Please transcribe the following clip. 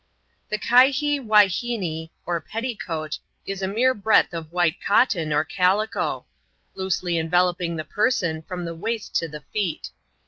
The " kihee whihenee," or petticoat, is a mere breadth of white cotton, or calico ; loosely enveloping the person, from the waist to the feet.